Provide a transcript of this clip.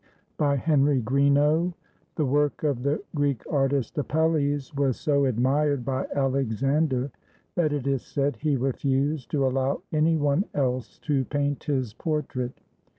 ] BY HENRY GREENOUGH [The work of the Greek artist Apelles was so admired by Alexander that it is said he refused to allow any one else to paint his portrait.